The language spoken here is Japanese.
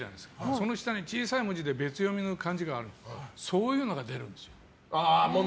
その下に小さい文字で別読みの漢字があるんだけどそういうのが出るんですよ。